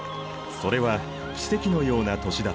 それは奇跡のような年だった。